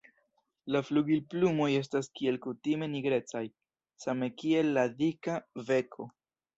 La flugilplumoj estas kiel kutime nigrecaj, same kiel la dika beko.